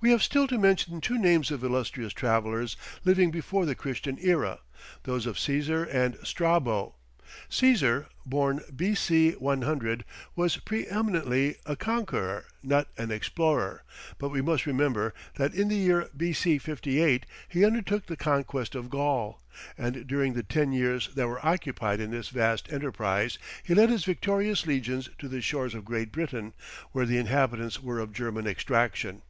We have still to mention two names of illustrious travellers, living before the Christian era; those of Cæsar and Strabo. Cæsar, born B.C. 100, was pre eminently a conqueror, not an explorer, but we must remember, that in the year B.C. 58, he undertook the conquest of Gaul, and during the ten years that were occupied in this vast enterprise, he led his victorious Legions to the shores of Great Britain, where the inhabitants were of German extraction.